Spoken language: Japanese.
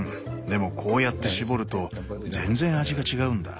でもこうやって搾ると全然味が違うんだ。